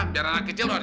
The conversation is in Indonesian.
biar anak kecil lho